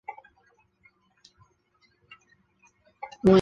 长昌基隆竞选总部昨也到基隆地检署控告国民党及基隆市政府。